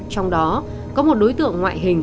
trong đó có một đối tượng ngoại hình